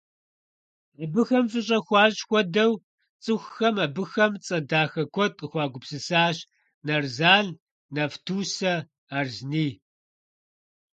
Абыхэм фӀыщӀэ хуащӀ хуэдэу цӀыхухэм абыхэм цӀэ дахэ куэд къыхуагупсысащ: «Нарзан», «Нафтусэ», «Арзни».